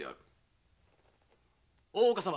・大岡様。